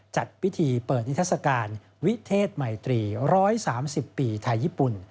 จัดพิธีเปิดนิทัศกาลวิเทศมัยตรี๑๓๐ปีไทยญี่ปุ่น